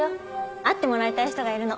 会ってもらいたい人がいるの。